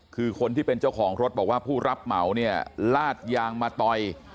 คือคนที่เป็นเจ้าของรถบอกว่าผู้รับเหมาเนี่ยลาดยางมาต่อย